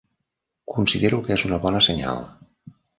Considero que és una bona senyal.